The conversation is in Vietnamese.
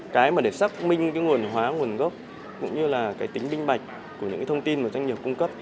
cái mà để xác minh cái nguồn hóa nguồn gốc cũng như là cái tính minh bạch của những cái thông tin mà doanh nghiệp cung cấp